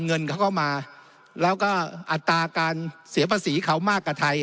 เงินเขาก็มาแล้วก็อัตราการเสียภาษีเขามากกว่าไทย